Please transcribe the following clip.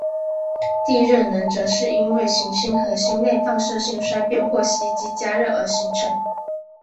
地热能则是因为行星核心内放射性衰变或吸积加热而形成。